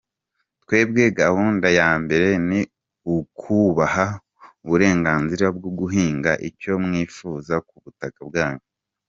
Twebwe gahunda ya mbere ni ukubaha uburenganzira bwo guhinga icyo mwifuza ku butaka bwanyu.